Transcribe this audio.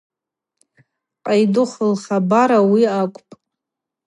Къайдыхв лхабар ауи акӏвапӏ.